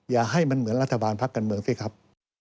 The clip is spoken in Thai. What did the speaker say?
อย่าให้มันเหมือนรัฐบาลพักการเมืองสิครับ